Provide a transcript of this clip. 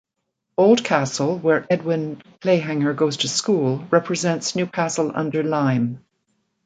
Oldcastle, where Edwin Clayhanger goes to school, represents Newcastle-under-Lyme.